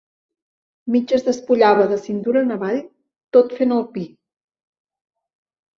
Mig es despullava de cintura en avall tot fent el pi.